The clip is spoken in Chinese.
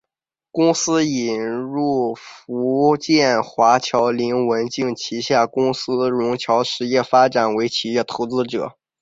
公司引入福建华侨林文镜旗下公司融侨实业发展为企业投资者。